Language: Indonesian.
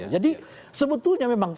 jadi sebetulnya memang